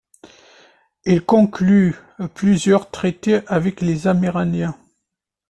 Il conclut plusieurs traités avec les Amérindiens.